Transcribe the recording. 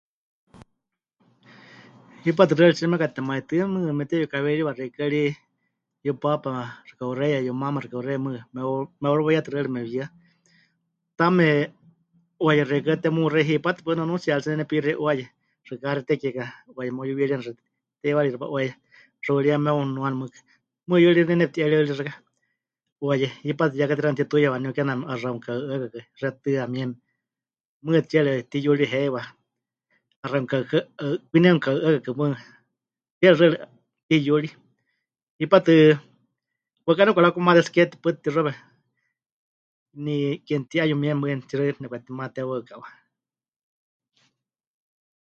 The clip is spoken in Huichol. Hipátɨ xɨari tsi mekatemaitɨ́ mɨɨkɨ mepɨteyukawiriwa xeikɨ́a ri yupaapa xɨka 'uxeiya, yumaama xɨka 'uxeiya mɨɨkɨ mewaruweiyatɨ xɨari mepɨyɨa. Taame 'uaye xeikɨ́a temuxei hipátɨ pues nunuutsiyari tsɨ ne nepixei 'uaye, xɨka haxitekieka 'uaye meuyuwirieni xɨa, teiwarixi wa'uaye, xuuriya meunuani mɨɨkɨkɨ, mɨɨkɨ yuri ne nepɨti'erie ri xɨa xɨka, 'uaye hipátɨ ya katixaɨ mɨtituiya waníu kename 'axa mɨka'u'ɨakakɨ xetɨa mieme, mɨɨkɨ tsiere pɨtiyuri heiwa, 'axa mɨka'u’ɨa kwinie mɨka'u'ɨakakɨ mɨɨkɨ tsiere xɨari pɨtiyuri, hipátɨ, waɨka nepɨkarakumaté tsɨ ke tipaɨ tɨ mɨtixuawe, ni ke mɨti’ayumieme mɨɨkɨ tɨxaɨ nepɨkatimaté waɨkawa.